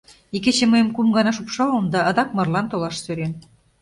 Икече мыйым кум гана шупшалын да адак марлан толаш сӧрен...